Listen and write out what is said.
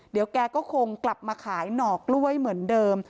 เดี๋ยวแกก็คงกลับมาขายหน่อกล้วยเหมือนเดิม